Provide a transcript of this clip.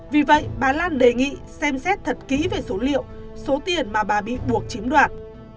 vì vậy bà lan đề nghị xem xét thật kỹ về số liệu số tiền mà bà bị buộc chiếm đoạt